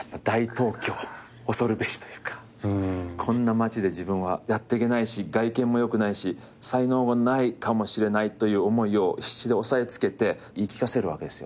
こんな街で自分はやっていけないし外見も良くないし才能もないかもしれないという思いを必死で抑えつけて言い聞かせるわけですよ。